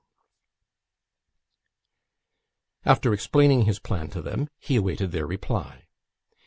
After explaining his plan to them, he awaited their reply.